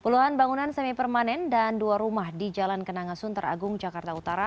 puluhan bangunan semi permanen dan dua rumah di jalan kenangasun teragung jakarta utara